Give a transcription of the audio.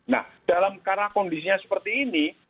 nah dalam karena kondisinya seperti ini